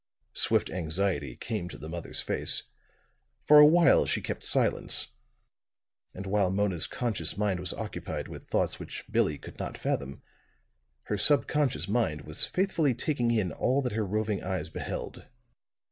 Swift anxiety came to the mother's face. For a while she kept silence. And while Mona's conscious mind was occupied with thoughts which Billie could not fathom, her subconscious mind was faithfully taking in all that her roving eyes beheld.